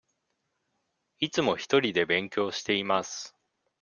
いつもひとりで勉強しています。